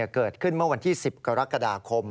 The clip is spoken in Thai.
เกิดขึ้นเมื่อวันที่๑๐กรกฎาคม